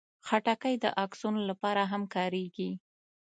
خټکی د عکسونو لپاره هم کارېږي.